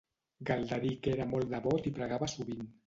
Galderic era molt devot i pregava sovint.